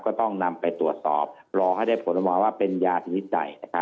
ก็ต้องนำไปตรวจสอบรอให้ได้ผลออกมาว่าเป็นยาชนิดใด